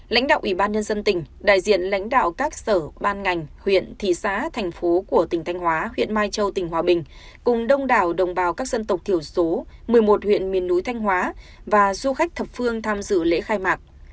lãnh đạo ủy ban nhân dân tỉnh đại diện lãnh đạo các sở ban ngành huyện thị xã thành phố của tỉnh thanh hóa huyện mai châu tỉnh hòa bình cùng đông đảo đồng bào các dân tộc thiểu số một mươi một huyện miền núi thanh hóa và du khách thập phương tham dự lễ khai mạc